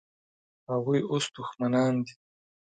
هغوی اوس دښمنان دي.